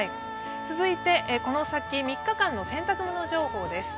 続いて、この先３日間の洗濯物情報です。